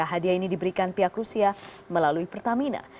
hadiah ini diberikan pihak rusia melalui pertamina